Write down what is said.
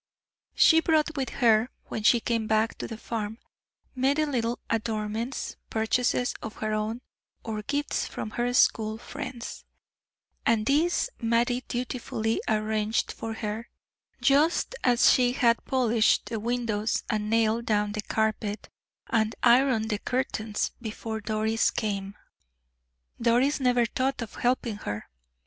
She brought with her, when she came back to the farm, many little adornments, purchases of her own, or gifts from her school friends; and these Mattie dutifully arranged for her, just as she had polished the windows and nailed down the carpet, and ironed the curtains before Doris came. Doris never thought of helping her.